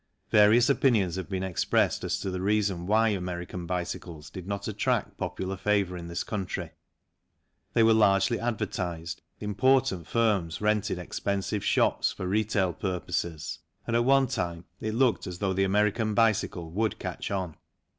Various opinions have been expressed as to the reason why American bicycles did not attract popular favour in this country. They were largely advertised, important firms rented expensive shops for retail purposes, and at one time it looked as though the American bicycle would catch on.